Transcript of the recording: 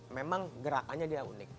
memang gerakannya dia unik